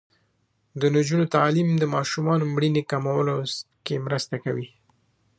د نجونو تعلیم د ماشومانو مړینې کمولو مرسته ده.